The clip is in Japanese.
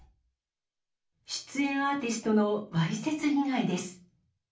出演アーティストのわいせつ被害です。